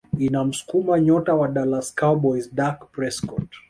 inamsukuma nyota wa Dallas Cowboys Dak Prescott